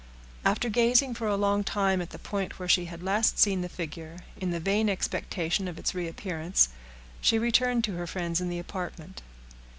After gazing for a long time at the point where she had last seen the figure, in the vain expectation of its reappearance, she turned to her friends in the apartment.